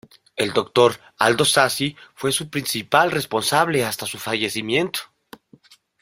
El doctor Aldo Sassi fue su principal responsable hasta su fallecimiento.